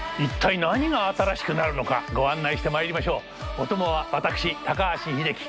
お供は私高橋英樹。